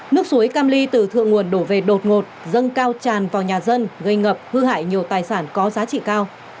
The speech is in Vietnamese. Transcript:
nước suối cam ly từ thượng nguồn đổ về đột ngột dâng cao tràn vào nhà dân gây ngập hư hại nhiều tài sản có giá trị cao